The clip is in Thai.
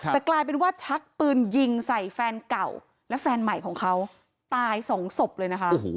แต่กลายเป็นว่าชักปืนยิงใส่แฟนเก่าและแฟนใหม่ของเขาตายสองศพเลยนะคะ